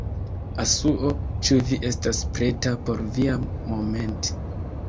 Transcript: Asuo, ĉu vi estas preta por via moment'...